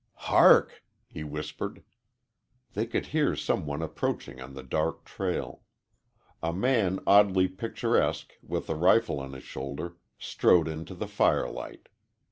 "Hark!" he whispered. They could hear some one approaching on the dark trail. A man oddly picturesque, with a rifle on his shoulder, strode into the firelight.